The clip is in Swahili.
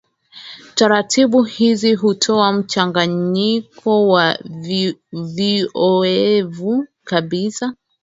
Taratibu hizi hutoa mchanganyiko wa vioevu kabisa